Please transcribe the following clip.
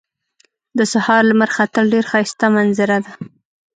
د سهار لمر ختل ډېر ښایسته منظره ده